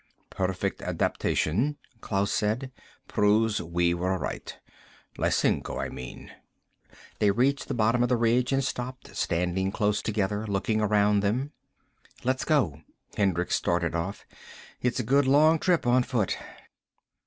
"Perfect adaptation," Klaus said. "Proves we were right. Lysenko, I mean." They reached the bottom of the ridge and stopped, standing close together, looking around them. "Let's go." Hendricks started off. "It's a good long trip, on foot."